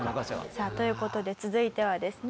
さあという事で続いてはですね